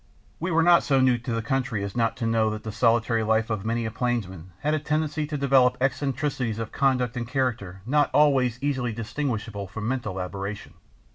We were not so new to the country as not to know that the solitary life of many a plainsman had a tendency to develop eccentricities of conduct and character not always easily distinguishable from mental aberration.